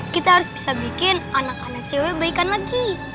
kita harus bisa bikin anak anak cewek baikan lagi